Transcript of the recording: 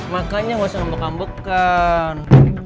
makanya gak usah ngebek ngebekkan